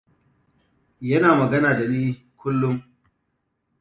Yana magana da ni kullum.